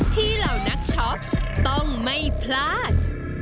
เหล่านักช็อปต้องไม่พลาด